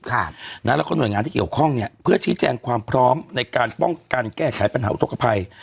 แล้วก็หน่วยงานที่เกี่ยวข้องเนี่ยเพื่อชี้แจงความพร้อมในการป้องกันแก้ไขปัญหาอุทธกภัย